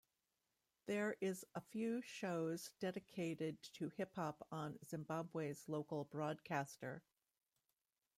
There is a few shows dedicated to Hip-Hop on Zimbabwe's local broadcaster.